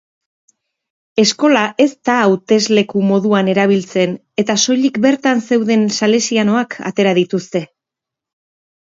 Eskola ez da hautesleku moduan erabiltzen eta soilik bertan zeuden salesianoak atera dituzte.